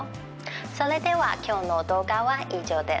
それでは今日の動画は以上です。